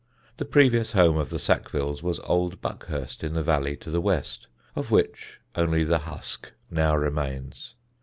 The previous home of the Sackvilles was Old Buckhurst in the valley to the west, of which only the husk now remains.